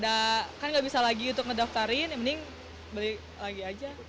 ada kan nggak bisa lagi untuk ngedaftarin ya mending beli lagi aja